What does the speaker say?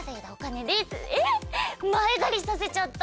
前借りさせちゃった。